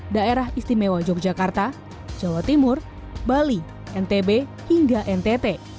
daerah istimewa yogyakarta jawa timur bali ntb hingga ntt